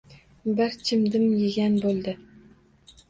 Bir chimdim yegan bo‘ldi.